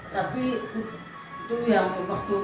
tapi itu yang waktu